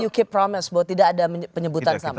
you key promis bahwa tidak ada penyebutan sama